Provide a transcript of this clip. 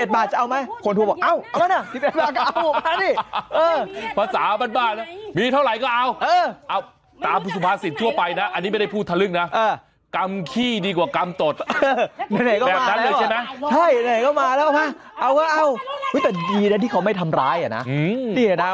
แล้วตอนนั้นมีเท่าไร